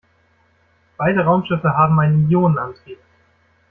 Beide Raumschiffe haben einen Ionenantrieb.